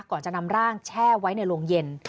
ก่อนจะนำร่างแช่ไว้ในโรงเย็น